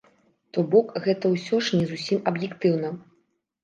То бок, гэта ўсё ж не зусім аб'ектыўна.